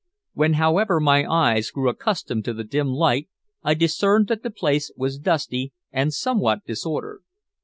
When, however, my eyes grew accustomed to the dim light, I discerned that the place was dusty and somewhat disordered.